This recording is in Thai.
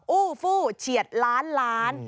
อู้ฟู้เฉียดล้านล้าน